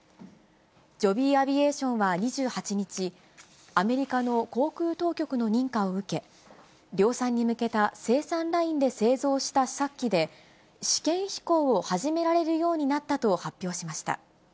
ジョビー・アビエーションは２８日、アメリカの航空当局の認可を受け、量産に向けた生産ラインで製造した試作機で、試験飛行を始められるようになったと発表しました。